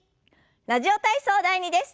「ラジオ体操第２」です。